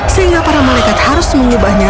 sehingga para malaikat harus mengubahnya